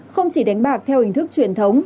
không chỉ đánh bạc theo hình thức truyền thống